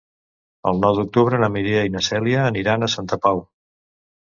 El nou d'octubre na Mireia i na Cèlia aniran a Santa Pau.